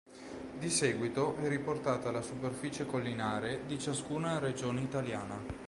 Di seguito è riportata la superficie collinare di ciascuna regione italiana.